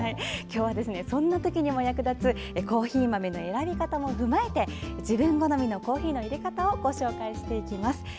今日はそんなときにも役立つコーヒー豆の選び方も踏まえて自分好みのコーヒーのいれ方をご紹介していきます。